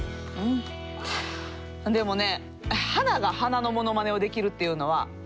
でもね